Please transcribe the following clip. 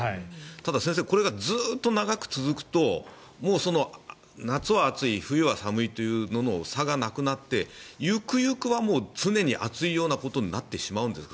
ただ、先生これがずっと長く続くと夏は暑い、冬は寒いというのの差がなくなってゆくゆくは常に暑いようなことになってしまうんですか？